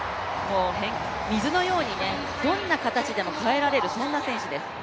水のようにどんな形でも変えられる、そんな選手です。